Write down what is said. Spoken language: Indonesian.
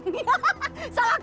kita harus ke rumah